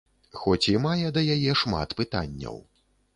Хоць і мае да яе шмат пытанняў.